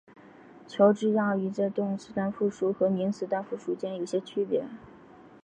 乔治亚语在动词单复数和名词单复数间有些区别。